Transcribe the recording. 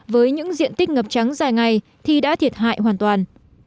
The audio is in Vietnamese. với những diện tích ngập trắng dài ngày thì đã thiệt hại hoàn toàn